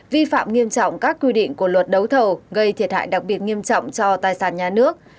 vi phạm nghiêm trọng các quy định của luật đấu thầu gây thiệt hại đặc biệt nghiêm trọng cho tài sản nhà nước